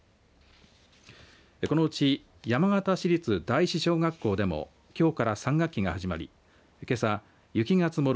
このうち山形市立第四小学校でもきょうから３学期が始まりけさ、雪が積もる